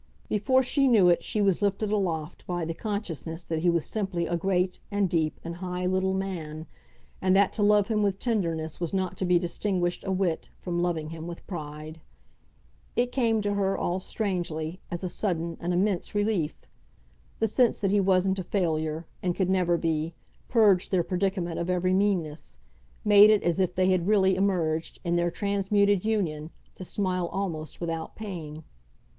Before she knew it she was lifted aloft by the consciousness that he was simply a great and deep and high little man, and that to love him with tenderness was not to be distinguished, a whit, from loving him with pride. It came to her, all strangely, as a sudden, an immense relief. The sense that he wasn't a failure, and could never be, purged their predicament of every meanness made it as if they had really emerged, in their transmuted union, to smile almost without pain.